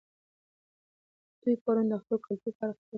دوی پرون د خپل کلتور په اړه خبرې کړې وې.